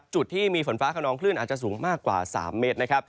จุดที่มีฝนฟ้าครอบน้องคลื่นอาจจะสูงมากกว่า๓เมตร